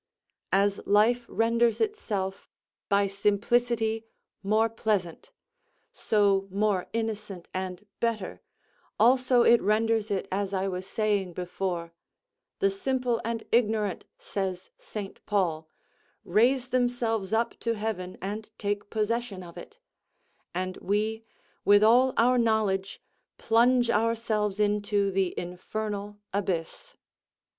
As life renders itself by simplicity more pleasant, so more innocent and better, also it renders it as I was saying before: "The simple and ignorant," says St. Paul, "raise themselves up to heaven and take possession of it; and we, with all our knowledge, plunge ourselves into the infernal abyss."